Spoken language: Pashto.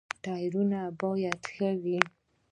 ټایرونه باید ښه وي.